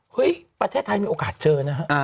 เห้ยประเทศไทยมีโอกาสเจอนะ